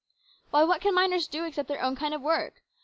" Why, what can miners do except their own kind of work